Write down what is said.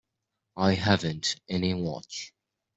I haven't any watch.